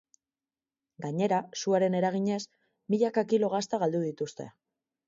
Gainera, suaren eraginez, milaka kilo gazta galdu dituzte.